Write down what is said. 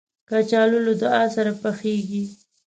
کچالو له دعا سره پخېږي